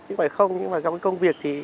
chứ không phải có cái công việc thì